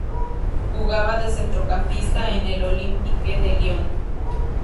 Jugaba de centrocampista en el Olympique de Lyon.